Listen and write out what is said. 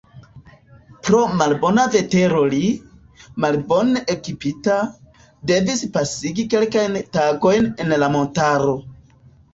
Pro malbona vetero li, malbone ekipita, devis pasigi kelkajn tagojn en la montaro.